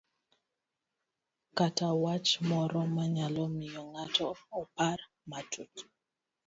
kata wach moro manyalo miyo ng'ato opar matut